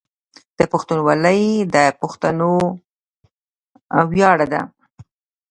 پښتونولي د پښتنو ویاړ ده.